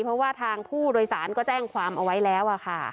เพราะว่าทางผู้โดยสารก็แจ้งความเอาไว้แล้วค่ะ